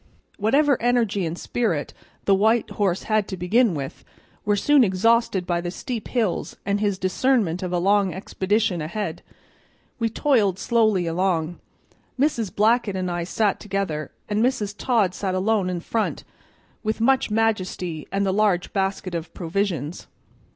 Whatever energy and spirit the white horse had to begin with were soon exhausted by the steep hills and his discernment of a long expedition ahead. We toiled slowly along. Mrs. Blackett and I sat together, and Mrs. Todd sat alone in front with much majesty and the large basket of provisions.